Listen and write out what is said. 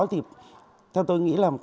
theo tôi nghĩ là